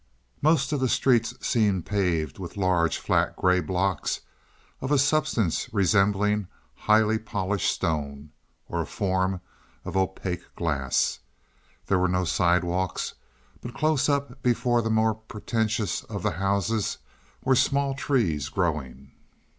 Most of the streets seemed paved with large, flat gray blocks of a substance resembling highly polished stone, or a form of opaque glass. There were no sidewalks, but close up before the more pretentious of the houses, were small trees growing.